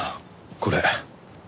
これ。